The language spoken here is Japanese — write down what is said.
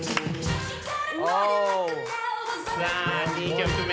さあ２曲目。